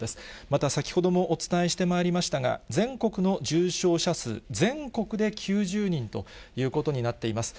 また先ほどもお伝えしてまいりましたが、全国の重症者数、全国で９０人ということになっています。